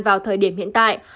vào thời điểm hiện tại